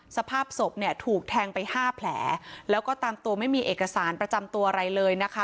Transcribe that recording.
สภาพศพเนี่ยถูกแทงไปห้าแผลแล้วก็ตามตัวไม่มีเอกสารประจำตัวอะไรเลยนะคะ